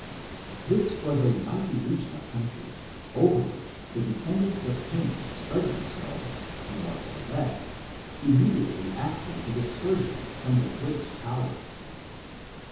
This was a mighty region of country, over which the descendants of Canaan spread them selves, more or less, immediately after the dispersion from the great tower.